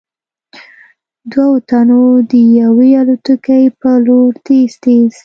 دوو تنو د يوې الوتکې په لور تېز تېز �